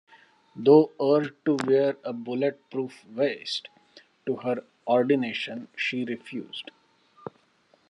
Though urged to wear a bullet-proof vest to her ordination, she refused.